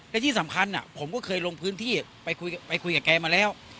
และที่สำคัญผมก็เคยลงพื้นที่ไปคุยกับแกมาแล้ว